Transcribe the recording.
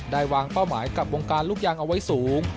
วางเป้าหมายกับวงการลูกยางเอาไว้สูง